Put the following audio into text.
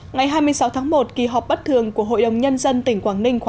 ngày hai mươi sáu tháng một kỳ họp bất thường của hội đồng nhân dân tỉnh quảng ninh khóa một mươi